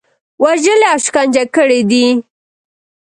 وژلي او شکنجه کړي دي.